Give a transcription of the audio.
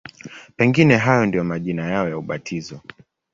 Pengine hayo ndiyo majina yao ya ubatizo.